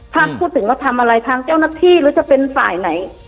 ถ้าพูดถึงว่าทำอะไรทางเจ้าหน้าที่หรือจะเป็นฝ่ายไหน